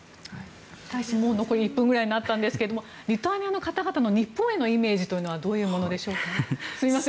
大使残り１分くらいになったんですがリトアニアの方々の日本へのイメージというのはどういうものですか。